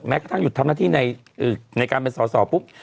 กระทั่งหยุดทำหน้าที่ในการเป็นสอสอปุ๊บ